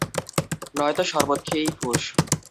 নয়তো শরবত খেয়েই ফুস।